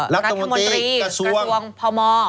รัฐมนตรีกระทรวงพม